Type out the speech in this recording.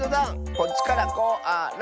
こっちから「こ・あ・ら」。